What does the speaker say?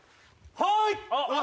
はい！